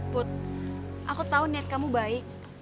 put aku tahu niat kamu baik